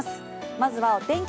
まずはお天気